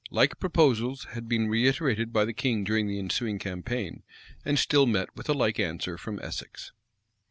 Like proposals had been reiterated by the king during the ensuing campaign, and still met with a like answer from Essex.